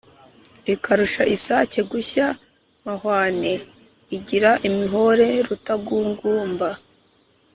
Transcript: Ikarusha isake gushya mahwane Igira imihore rutagugumba,